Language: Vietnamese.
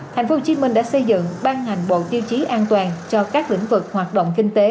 tp hcm đã xây dựng ban hành bộ tiêu chí an toàn cho các lĩnh vực hoạt động kinh tế